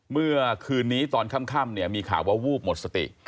เมื่อคืนนี้ตอนค่ำมีข่าวว่าวูบหมดสติ